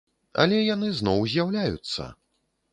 Але яны зноў з'яўляюцца!